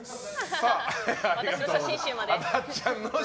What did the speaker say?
私の写真集まで。